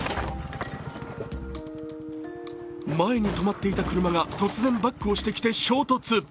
前に止まっていた車が突然バックをしてきて衝突。